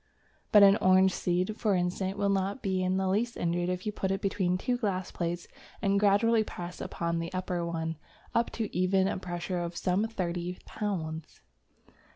But an orange seed, for instance, will not be in the least injured if you put it between two glass plates and gradually press upon the upper one up to even a pressure of some thirty pounds.